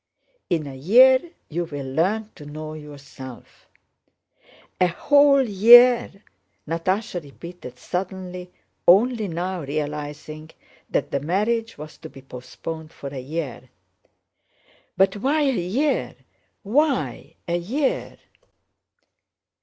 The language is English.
"In a year you will learn to know yourself...." "A whole year!" Natásha repeated suddenly, only now realizing that the marriage was to be postponed for a year. "But why a year? Why a year?..."